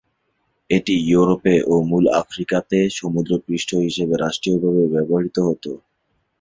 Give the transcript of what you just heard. এটি ইউরোপে ও মূল আফ্রিকাতে সমুদ্র পৃষ্ঠ হিসেবে রাষ্ট্রীয়ভাবে ব্যবহৃত হত।